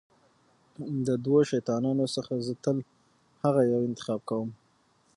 د دوو شیطانانو څخه زه تل هغه یو انتخاب کوم.